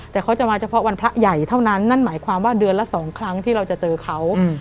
แต่เขาจะมาเฉพาะวันพระใหญ่เท่านั้นนั่นหมายความว่าเดือนละ๒ครั้งที่เราจะเจอเขา